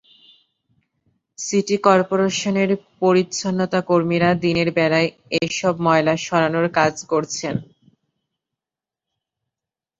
City করপোরেশনের পরিচ্ছন্নতাকর্মীরা দিনের বেলায় এসব ময়লা সরানোর কাজ করছেন।